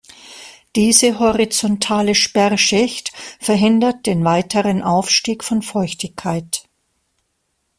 Diese horizontale Sperrschicht verhindert den weiteren Aufstieg von Feuchtigkeit.